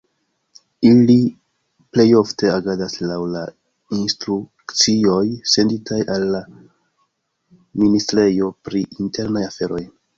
Ili plejofte agadas laŭ la instrukcioj senditaj de la ministrejo pri internaj aferoj.